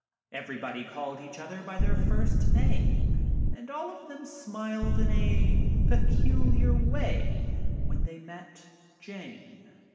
Everybody called each other by their first name and all of them smiled in a peculiar ■■_ \2 " 1J" '■•■''